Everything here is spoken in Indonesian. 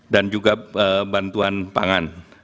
dan juga bantuan pangan